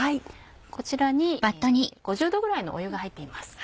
こちらに５０℃くらいのお湯が入っています。